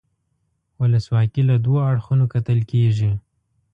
ولسواکي له دوو اړخونو کتل کیږي.